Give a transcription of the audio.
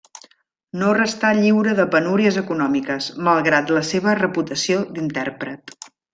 No restà lliure de penúries econòmiques, malgrat la seva reputació d'intèrpret.